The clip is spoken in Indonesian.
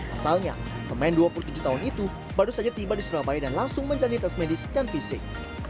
asalnya pemain dua puluh tujuh tahun itu baru saja tiba di surabaya dan langsung menjalani tes medis dan fisik